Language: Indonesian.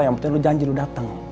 yang penting lo janji lo dateng